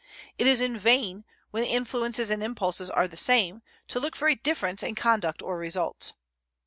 It is in vain, when the influences and impulses are the same, to look for a difference in conduct or results.